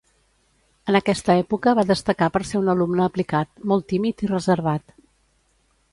En aquesta època va destacar per ser un alumne aplicat, molt tímid i reservat.